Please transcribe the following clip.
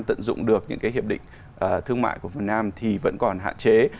tận dụng được những cái hiệp định thương mại của việt nam thì vẫn còn hạn chế